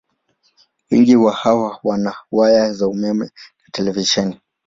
Wengi wa hawa wana waya za umeme na televisheni.